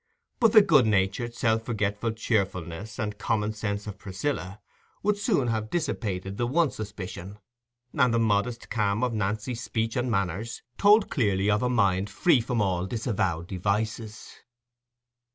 But the good natured self forgetful cheeriness and common sense of Priscilla would soon have dissipated the one suspicion; and the modest calm of Nancy's speech and manners told clearly of a mind free from all disavowed devices.